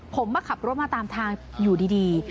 ผมมาขับรถมาตามทางอยู่ดี